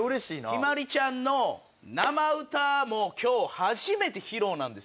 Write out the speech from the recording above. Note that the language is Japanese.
陽鞠ちゃんの生歌も今日初めて披露なんですよ。